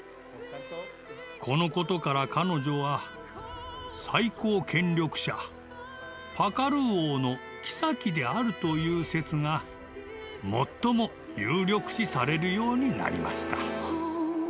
このことから彼女は最高権力者パカル王の妃であるという説が最も有力視されるようになりました。